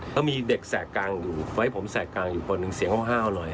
เขามีเด็กแสกกางอยู่ไว้ผมแสกกางอยู่บนสีห้าวหน่อย